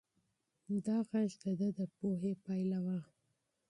دا غږ د ده د پوهې پایله وه.